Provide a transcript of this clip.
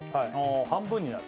半分になる？